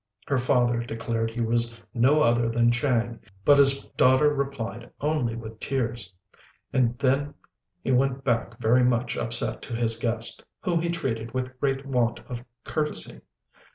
Her father declared he was no other than Chang, but his daughter replied only with tears; and then he went back very much upset to his guest, whom he treated with great want of courtesy.